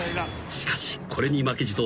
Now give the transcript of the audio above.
［しかしこれに負けじと］